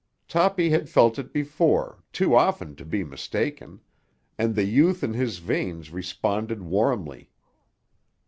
Toppy had felt it before, too often to be mistaken; and the youth in his veins responded warmly.